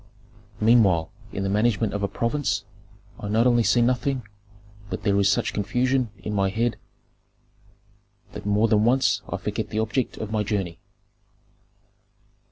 Meanwhile in the management of a province I not only see nothing, but there is such confusion in my head that more than once I forget the object of my journey.